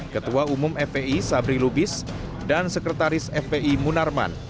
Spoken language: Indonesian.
ketua umum fpi sabri lubis dan sekretaris fpi munarman